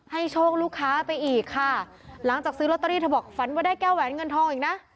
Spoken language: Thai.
โชคลูกค้าไปอีกค่ะหลังจากซื้อลอตเตอรี่เธอบอกฝันว่าได้แก้วแหวนเงินทองอีกนะ